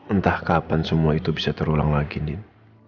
entah kapan semua itu bisa terulang lagi nin